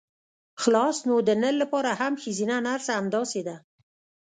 خلاص نو د نر لپاره هم ښځينه نرسه همداسې ده.